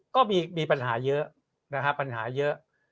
ก็มีปัญหาเยอะนะครับปัญหาเยอะ